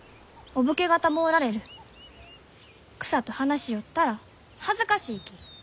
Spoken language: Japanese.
草と話しよったら恥ずかしいき。